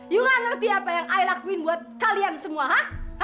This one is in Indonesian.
yu nggak ngerti apa yang ay lakuin buat kalian semua ha